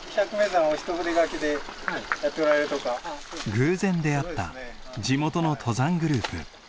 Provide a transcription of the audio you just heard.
偶然出会った地元の登山グループ。